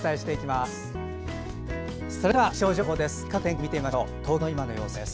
それでは気象情報です。